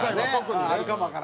あるかもわからんね。